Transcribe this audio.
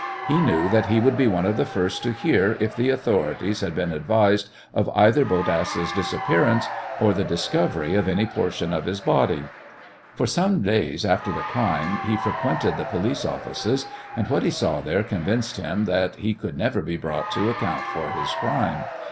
He knew that he would be one of the first to hear if the authorities had been advised of either Bodasse's disappearance or the discovery of any portion of his body. For some days after the crime he frequented the police offices, and what he saw there convinced him that he could never be brought to account for his crime.